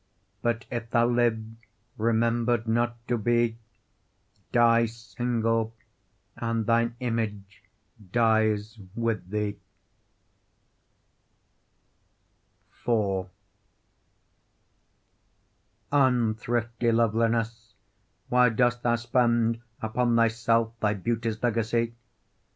But if thou live, remember'd not to be, Die single and thine image dies with thee. IV Unthrifty loveliness, why dost thou spend Upon thyself thy beauty's legacy?